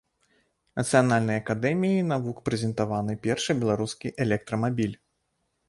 Нацыянальнай акадэміяй навук прэзентаваны першы беларускі электрамабіль.